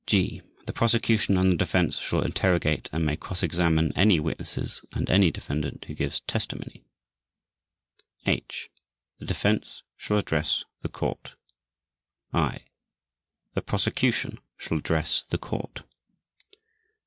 (g) The Prosecution and the Defense shall interrogate and may cross examine any witnesses and any defendant who gives testimony. (h) The Defense shall address the Court. (i) The Prosecution shall address the Court.